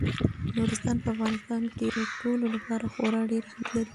نورستان په افغانستان کې د ټولو لپاره خورا ډېر اهمیت لري.